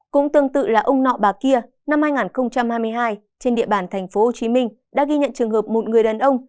cũng tương tự là ông nọ bà kia năm hai nghìn hai mươi hai trên địa bàn tp hcm đã ghi nhận trường hợp một người đàn ông